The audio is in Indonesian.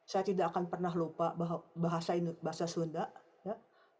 saya tidak akan pernah lupa bahwa bahasa sunda ya